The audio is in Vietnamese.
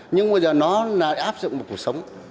nhưng bây giờ nó lại áp dụng một cuộc sống